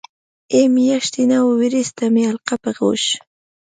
ای میاشتې نوې وریځ ته مې حلقه په غوږ.